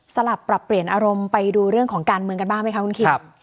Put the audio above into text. ลับปรับเปลี่ยนอารมณ์ไปดูเรื่องของการเมืองกันบ้างไหมคะคุณคิม